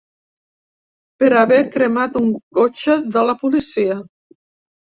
Per haver cremat un cotxe de la policia!